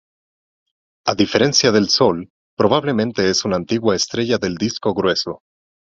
A diferencia del Sol, probablemente es una antigua estrella del disco grueso.